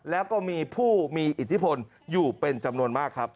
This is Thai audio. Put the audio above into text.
แล้วก็มีผู้มีอิทธิพลอยู่เป็นจำนวนมากครับ